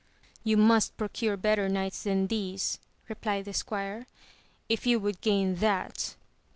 You must procure better knights than these, replied the squire, if you would gain that.